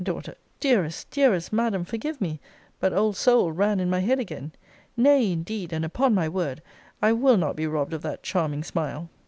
Dearest, dearest Madam, forgive me; but old soul ran in my head again! Nay, indeed, and upon my word, I will not be robbed of that charming smile!